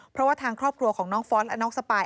เพราะว่าทางครอบครัวของน้องฟ้อนและน้องสปาย